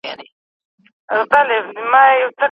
د کمولو هدف چاپیریال ساتنه ده.